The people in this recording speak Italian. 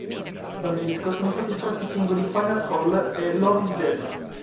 Dal disco sono stati estratti i singoli "Final Call" e "Love Is Dead".